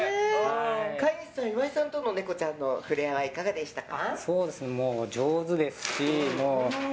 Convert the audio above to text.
飼い主さん、岩井さんとネコちゃんの触れ合いいかがでしたか？